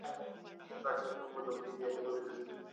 د کار ساعت کمول د هوساینې زیاتوالي لامل دی.